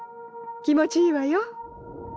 気持ちいいわよ。